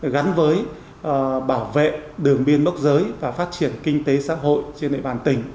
gắn với bảo vệ đường biên mốc giới và phát triển kinh tế xã hội trên địa bàn tỉnh